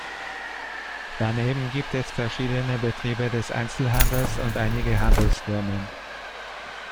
Daneben gibt es verschiedene Betriebe des Einzelhandels und einige Handelsfirmen.